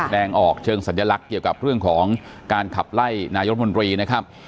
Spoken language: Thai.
แดงออกเชิงสัญลักษณ์เกี่ยวกับเรื่องของการขับไล่นายรัฐมนตรีนะครับ